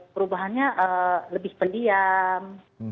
perubahannya lebih pendiam